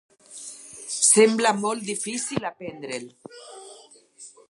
Sembla molt difícil aprendre’l.